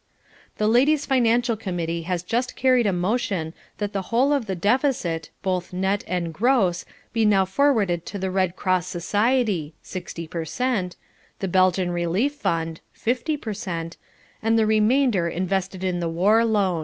The Ladies Financial Committee has just carried a motion that the whole of the deficit, both net and gross, be now forwarded to the Red Cross Society (sixty per cent), the Belgian Relief Fund (fifty per cent), and the remainder invested in the War Loan.